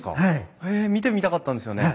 へえ見てみたかったんですよね。